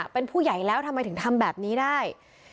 เป็นผู้ใหญ่แล้วทำไมถึงทำแบบนี้ได้